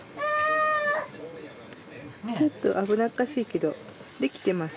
ちょっと危なっかしいけどできてます。